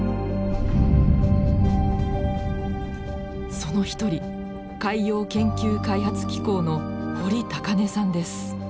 その一人海洋研究開発機構の堀高峰さんです。